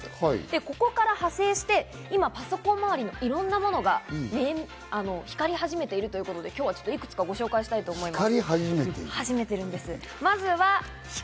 ここから派生して、今、パソコン周りのいろんなものが光り始めているということで、今日はちょっといくつか、ご紹介したいと思います。